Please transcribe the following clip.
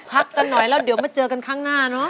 พักกันหน่อยแล้วเดี๋ยวมาเจอกันข้างหน้าเนอะ